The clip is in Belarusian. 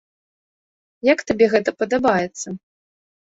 Як табе гэта падабаецца?